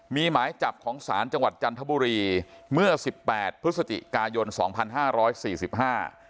มีหมายจับของศาลจังหวัดจันทบุรีเมื่อสิบแปดพฤศจิกายนสองพันห้าร้อยสี่สิบห้า